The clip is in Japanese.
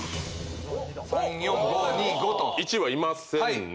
１はいませんね。